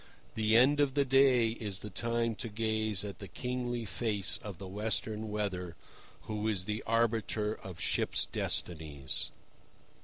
The end of the day is the time to gaze at the kingly face of the Westerly Weather, who is the arbiter of ships' destinies.